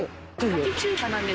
ガチ中華なんです。